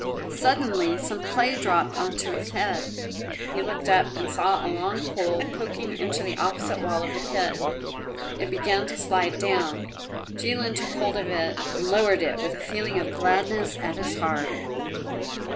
Suddenly some clay dropped on to his head. He looked up, and saw a long pole poking into the opposite wall of the pit; it began to slide down. Jilin took hold of it and lowered it with a feeling of gladness at his heart.